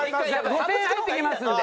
５０００円入ってきますんで。